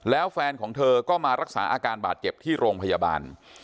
แล้วแฟนของเธอก็มารักษาอาการบาดเจ็บที่โรงพยาบาล